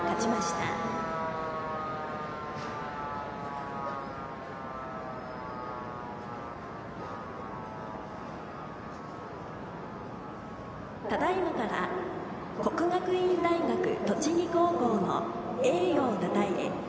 ただいまから国学院大学栃木高校の栄誉をたたえ